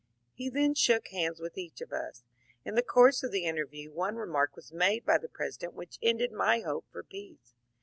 He then shook hands with each of us. In the course of the interview one remark was made by the President which ended my hope for peace.